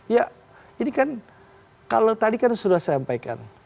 ya ini kan kalau tadi kan sudah saya sampaikan